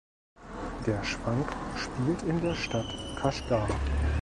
Der Schwank spielt „in der Stadt Kaschgar“.